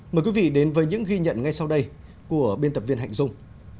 mời quý vị đến với những ghi nhận ngay sau đây của biên tập viên hạnh dung